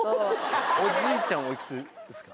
おじいちゃんおいくつですか？